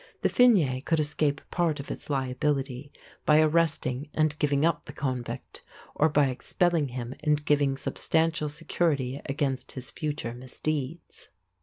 The fine could escape part of its liability by arresting and giving up the convict, or by expelling him and giving substantial security against his future misdeeds.